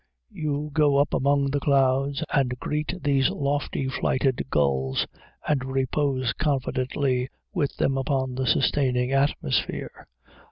You go up among the clouds and greet these lofty flighted gulls, and repose confidently with them upon the sustaining atmosphere.